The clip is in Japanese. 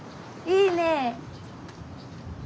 いいね。